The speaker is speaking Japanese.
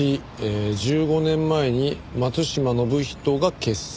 １５年前に松島信人が結成。